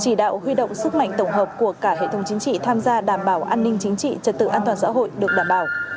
chỉ đạo huy động sức mạnh tổng hợp của cả hệ thống chính trị tham gia đảm bảo an ninh chính trị trật tự an toàn xã hội được đảm bảo